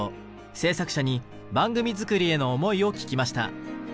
制作者に番組作りへの思いを聞きました。